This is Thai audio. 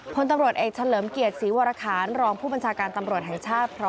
ผลตำรวจเอคถล